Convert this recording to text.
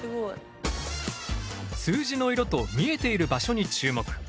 数字の色と見えている場所に注目。